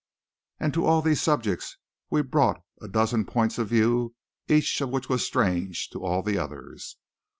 And to all these subjects we brought a dozen points of view, each of which was strange to all the others.